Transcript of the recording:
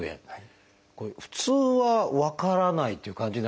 普通は分からないっていう感じになりますか？